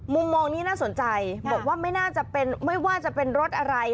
มุมมองนี้น่าสนใจบอกว่าไม่ว่าจะเป็นรถอะไร